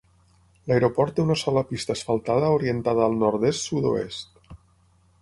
L'aeroport té una sola pista asfaltada orientada al nord-est sud-oest.